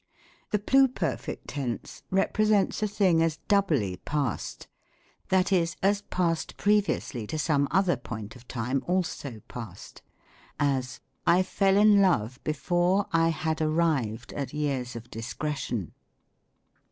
The Pluperfect Tense represents a thing as doubly past ; that is, as past previously to some other point of time also past ; as, " I fell in love before I had arrived at years of discretion."